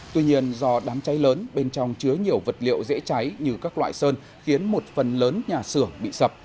tuy nhiên do đám cháy lớn bên trong chứa nhiều vật liệu dễ cháy như các loại sơn khiến một phần lớn nhà xưởng bị sập